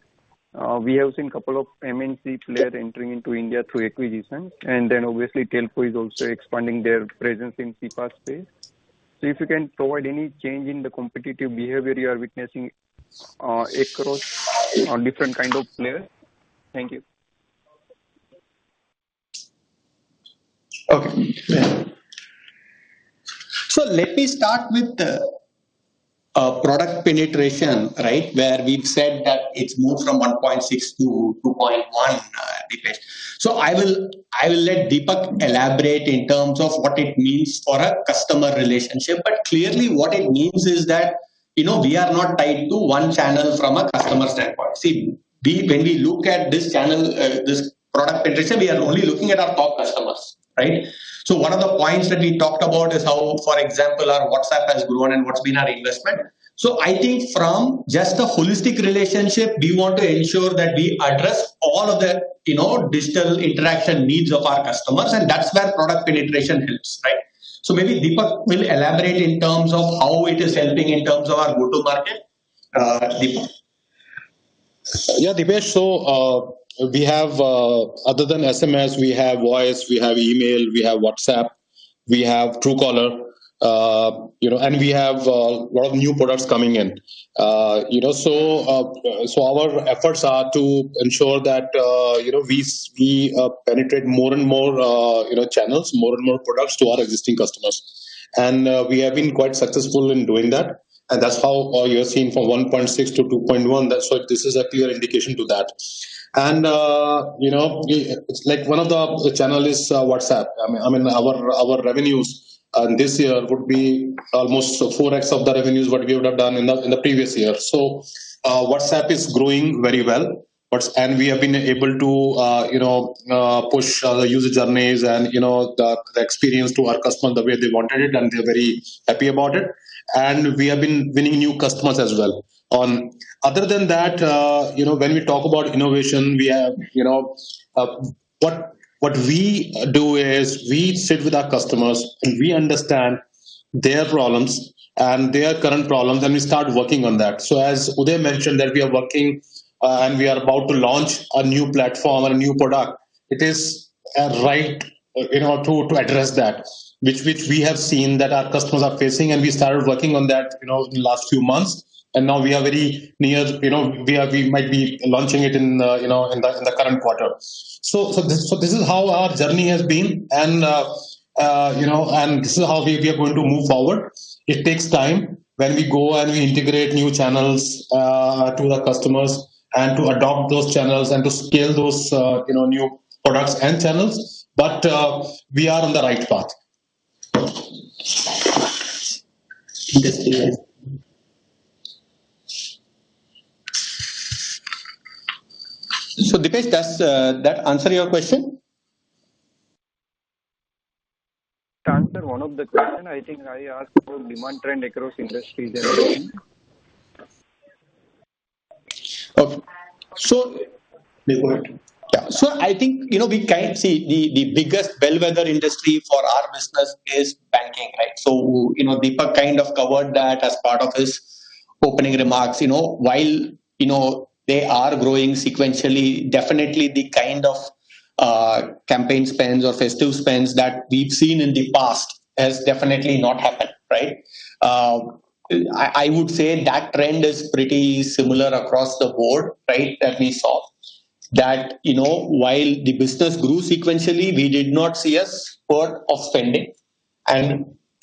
we have seen couple of MNC player entering into India through acquisitions, and then obviously Telco is also expanding their presence in CPaaS space. If you can provide any change in the competitive behavior you are witnessing, across on different kind of players. Thank you. Okay. Let me start with the product penetration, right? Where we've said that it's moved from 1.6 to 2.1, Dipesh. I will let Deepak elaborate in terms of what it means for a customer relationship. But clearly what it means is that, you know, we are not tied to one channel from a customer standpoint. See, when we look at this channel, this product penetration, we are only looking at our top customers, right? One of the points that we talked about is how, for example, our WhatsApp has grown and what's been our investment. I think from just a holistic relationship, we want to ensure that we address all of the, you know, digital interaction needs of our customers, and that's where product penetration helps, right? Maybe Deepak will elaborate in terms of how it is helping in terms of our go-to-market. Deepak. Dipesh, we have. Other than SMS, we have voice, we have email, we have WhatsApp, we have Truecaller, you know, we have lot of new products coming in. You know, our efforts are to ensure that, you know, we penetrate more and more, you know, channels, more and more products to our existing customers. We have been quite successful in doing that's how you have seen from 1.6 to 2.1. This is a clear indication to that. You know, Like, one of the channel is WhatsApp. I mean, our revenues this year would be almost 4x of the revenues what we would have done in the previous year. WhatsApp is growing very well. We have been able to push the user journeys and the experience to our customers the way they wanted it, and they're very happy about it. We have been winning new customers as well. Other than that, when we talk about innovation, we have. What we do is we sit with our customers and we understand their problems and their current problems, and we start working on that. As Uday mentioned that we are working and we are about to launch a new platform and a new product. It is right to address that, which we have seen that our customers are facing, and we started working on that in the last few months. Now we are very near. We might be launching it in the current quarter. This is how our journey has been and this is how we are going to move forward. It takes time when we go and we integrate new channels to the customers and to adopt those channels and to scale those new products and channels. We are on the right path. Dipesh, does that answer your question? It answered one of the question I think I asked about demand trend across industries and other things. Okay. Dipak. I think, you know, we can see the biggest bellwether industry for our business is banking, right? You know, Deepak kind of covered that as part of his opening remarks. You know, while, you know, they are growing sequentially, definitely the kind of campaign spends or festive spends that we've seen in the past has definitely not happened, right? I would say that trend is pretty similar across the board, right? That we saw. That, you know, while the business grew sequentially, we did not see a spurt of spending.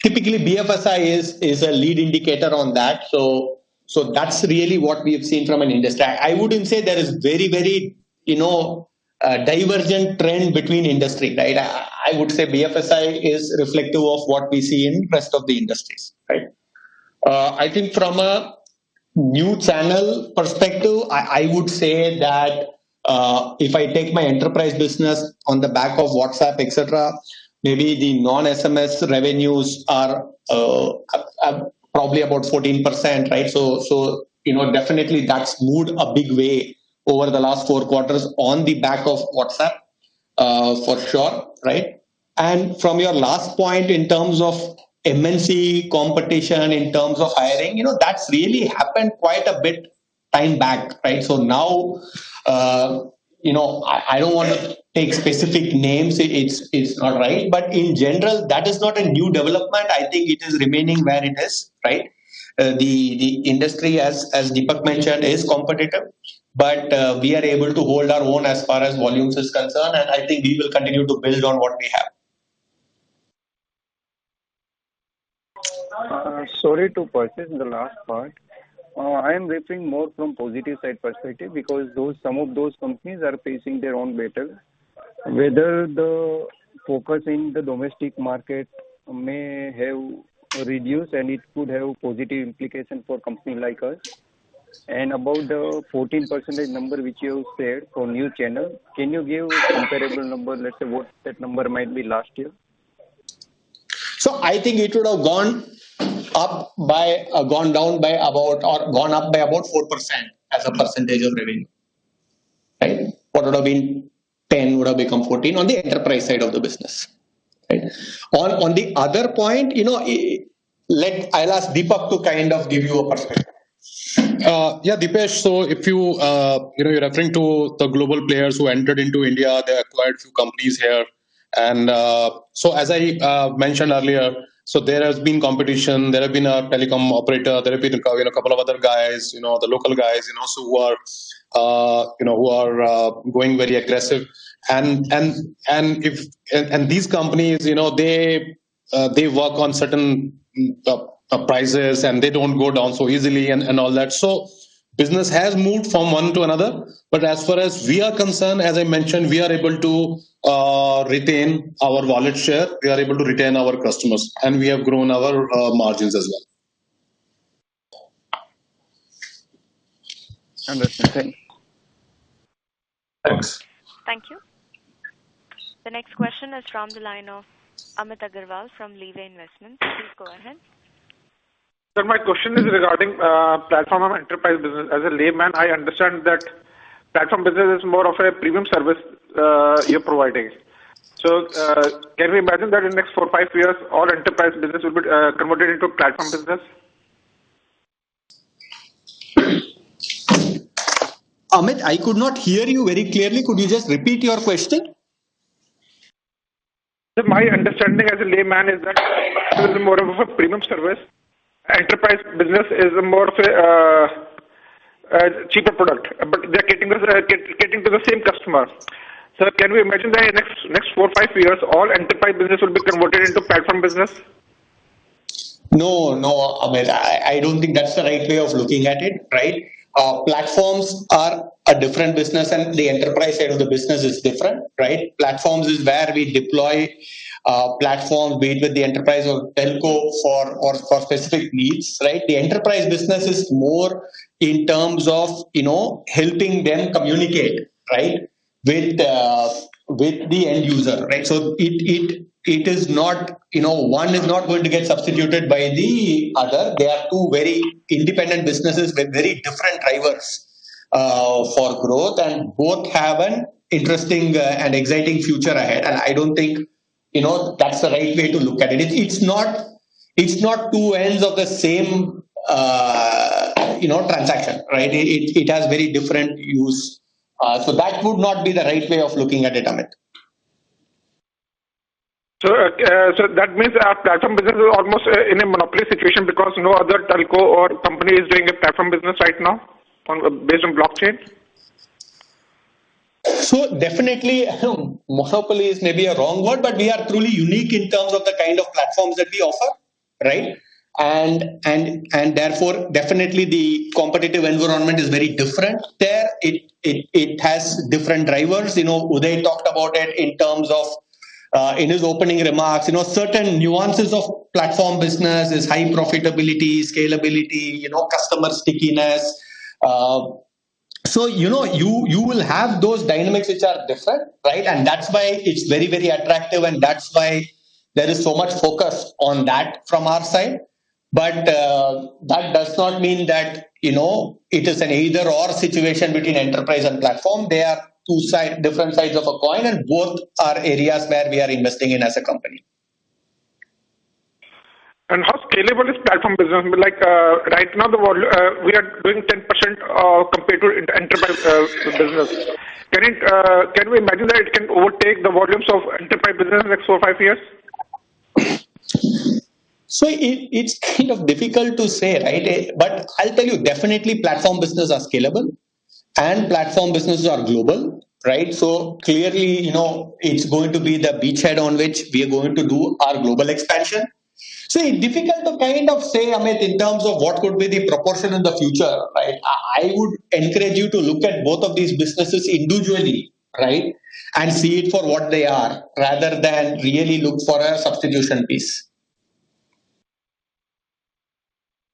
Typically BFSI is a lead indicator on that, so that's really what we have seen from an industry. I wouldn't say there is very, very, you know, divergent trend between industry. Right. I would say BFSI is reflective of what we see in rest of the industries, right? I think from a new channel perspective, I would say that if I take my enterprise business on the back of WhatsApp, et cetera, maybe the non-SMS revenues are probably about 14%, right? You know, definitely that's moved a big way over the last four quarters on the back of WhatsApp, for sure, right? From your last point, in terms of MNC competition, in terms of hiring, you know, that's really happened quite a bit time back, right? Now, you know, I don't wanna take specific names. It's not right. In general, that is not a new development. I think it is remaining where it is, right? The industry as Dipak mentioned, is competitive, but we are able to hold our own as far as volumes is concerned, and I think we will continue to build on what we have. Sorry to persist in the last part. I am referring more from positive side perspective because those, some of those companies are facing their own battles. Whether the focus in the domestic market may have reduced and it could have positive implications for company like us. About the 14% number which you said for new channel, can you give comparable number, let's say, what that number might be last year? I think it would have gone up by about 4% as a percentage of revenue. Right. What would have been 10 would have become 14 on the enterprise side of the business. Right. On the other point, you know, I'll ask Deepak to kind of give you a perspective. Yeah, Dipesh. If you know, you're referring to the global players who entered into India, there are quite a few companies here. As I mentioned earlier, there has been competition. There have been a telecom operator. There have been a, you know, couple of other guys, you know, the local guys, you know, were, you know, who are going very aggressive. And if... And these companies, you know, they work on certain prices, and they don't go down so easily and all that. Business has moved from one to another. As far as we are concerned, as I mentioned, we are able to retain our wallet share. We are able to retain our customers, and we have grown our margins as well. Understood. Thank you. Thanks. Thank you. The next question is from the line of Amit Aggarwal from Leeway Investments. Please go ahead. Sir, my question is regarding, platform and enterprise business. As a layman, I understand that platform business is more of a premium service, you're providing. Can we imagine that in next four, five years, all enterprise business will be, converted into platform business? Amit, I could not hear you very clearly. Could you just repeat your question? Sir, my understanding as a layman is that is more of a premium service. Enterprise business is more of a cheaper product, but they're getting to the same customer. Sir, can we imagine that in next four, five years, all enterprise business will be converted into platform business? No, no, Amit. I don't think that's the right way of looking at it, right? Platforms are a different business. The enterprise side of the business is different, right? Platforms is where we deploy platform built with the enterprise of telco for specific needs, right? The enterprise business is more in terms of, you know, helping them communicate, right, with the end user, right? It is not, you know, one is not going to get substituted by the other. They are two very independent businesses with very different drivers for growth, and both have an interesting and exciting future ahead. I don't think, you know, that's the right way to look at it. It's not, it's not two ends of the same, you know, transaction, right? It, it has very different use. That would not be the right way of looking at it, Amit. Sir, that means our platform business is almost in a monopoly situation because no other telco or company is doing a platform business right now based on blockchain. So definitely monopoly is maybe a wrong word, but we are truly unique in terms of the kind of platforms that we offer, right? Therefore, definitely the competitive environment is very different there. It has different drivers. You know, Uday talked about it in terms of in his opening remarks. You know, certain nuances of platform business is high profitability, scalability, you know, customer stickiness. You know, you will have those dynamics which are different, right? That's why it's very, very attractive, and that's why there is so much focus on that from our side. That does not mean that, you know, it is an either/or situation between enterprise and platform. They are different sides of a coin, and both are areas where we are investing in as a company. How scalable is platform business? Like, right now we are doing 10% compared to enterprise business. Can it, can we imagine that it can overtake the volumes of enterprise business in next four, five years? It's kind of difficult to say, right? I'll tell you, definitely platform business are scalable and platform businesses are global, right? Clearly, you know, it's going to be the beachhead on which we are going to do our global expansion. Difficult to kind of say, Amit, in terms of what could be the proportion in the future, right? I would encourage you to look at both of these businesses individually, right? See it for what they are rather than really look for a substitution piece.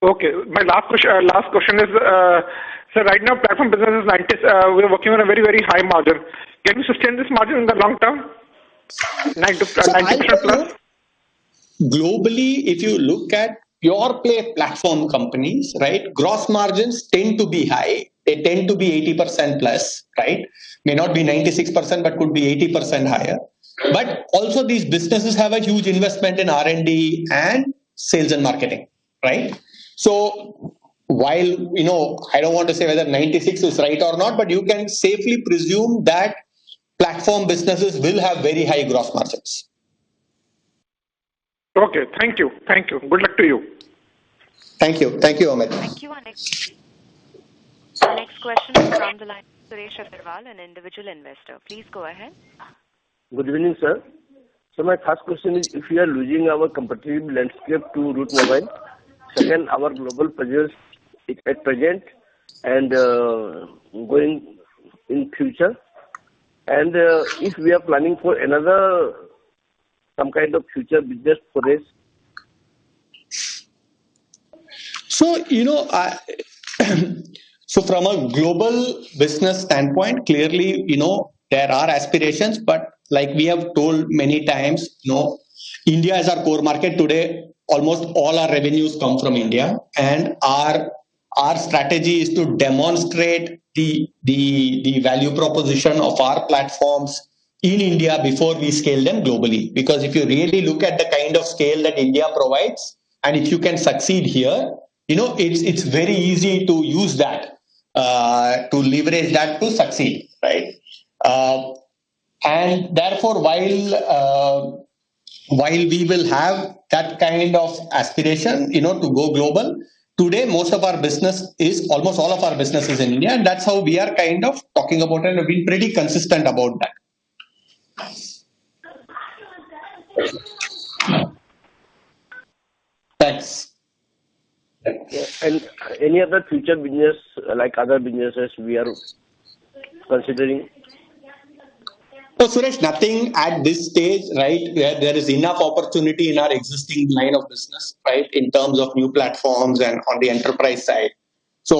Okay. My last question is, sir, right now platform business is 90%. We are working on a very high margin. Can we sustain this margin in the long term? 90%+. Globally, if you look at pure-play platform companies, right, gross margins tend to be high. They tend to be 80%+, right? May not be 96%, but could be 80% higher. Also these businesses have a huge investment in R&D and sales and marketing, right? While, you know, I don't want to say whether 96 is right or not, but you can safely presume that platform businesses will have very high gross margins. Okay. Thank you. Thank you. Good luck to you. Thank you. Thank you, Amit. Thank you. Our next question is from the line of Suresh Agarwal, an individual investor. Please go ahead. Good evening, sir. My first question is, if we are losing our competitive landscape to Route Mobile, second, our global presence at present and going in future, and if we are planning for another, some kind of future business for this? you know, from a global business standpoint, clearly, you know, there are aspirations, but like we have told many times, you know, India is our core market today. Almost all our revenues come from India. Our strategy is to demonstrate the value proposition of our platforms in India before we scale them globally. If you really look at the kind of scale that India provides, and if you can succeed here, you know, it's very easy to use that to leverage that to succeed, right? Therefore, while while we will have that kind of aspiration, you know, to go global, today most of our business is... almost all of our business is in India, that's how we are kind of talking about it and being pretty consistent about that. Thanks. Any other future business like other businesses we are considering? No, Suresh, nothing at this stage, right? There is enough opportunity in our existing line of business, right, in terms of new platforms and on the enterprise side.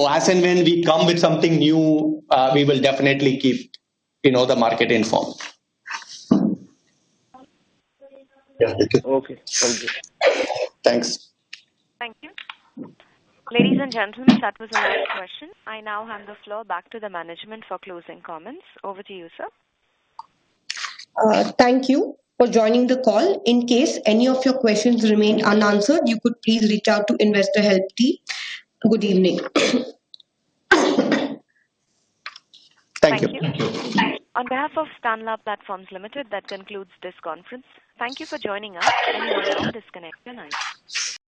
As and when we come with something new, we will definitely keep, you know, the market informed. Yeah, thank you. Okay. Thank you. Thanks. Thank you. Ladies and gentlemen, that was the last question. I now hand the floor back to the management for closing comments. Over to you, sir. Thank you for joining the call. In case any of your questions remain unanswered, you could please reach out to Investor Help team. Good evening. Thank you. Thank you. On behalf of Tanla Platforms Limited, that concludes this conference. Thank you for joining us. You may now disconnect your lines.